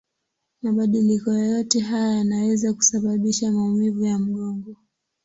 Mabadiliko yoyote haya yanaweza kusababisha maumivu ya mgongo.